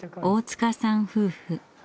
大塚さん夫婦。